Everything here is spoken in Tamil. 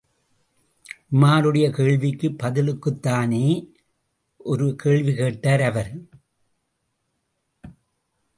உமாருடைய கேள்விக்கு பதிலுக்குத் தானே ஒரு கேள்வி கேட்டார் அவர்.